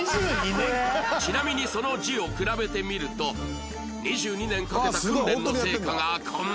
ちなみにその字を比べてみると２２年かけた訓練の成果がこんな感じ